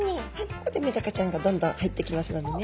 こうやってメダカちゃんがどんどん入ってきますのでね。